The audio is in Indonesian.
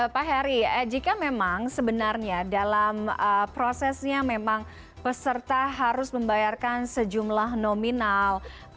pak heri jika memang sebenarnya dalam prosesnya memang peserta harus membayarkan sejumlah nominal